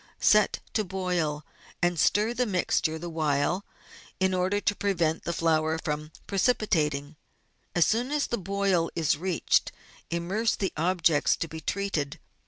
Set to boil, and stir the mixture the while, in order to prevent the flour from precipitating ; as soon as the boil is reached, immerse the objects to be treated.